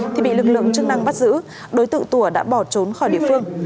thì bị lực lượng chức năng bắt giữ đối tượng tùa đã bỏ trốn khỏi địa phương